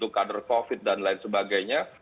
kader covid dan lain sebagainya